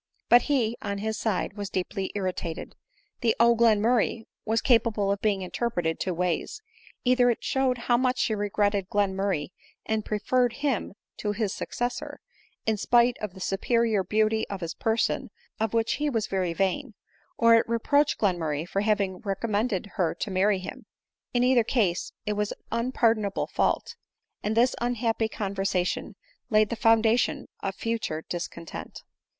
But he, on his side, was deeply irritated. The " Oh, Glenmurray !" was capable of being interpreted two ways ; either it showed how much she regretted Glen ^ J ^*^ ADELINE MOWBRAY. 817 murray, and preferred him to bis successor, in spite of the superior beauty of his person, of which he was very train ; or it reproached Glenraurray for having recom mended her to marry him. In either case it was an unpardonable fault ; and this unhappy conversation laid the foundation of future discontent.